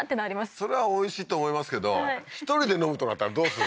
それはおいしいと思いますけど１人で飲むとなったらどうする？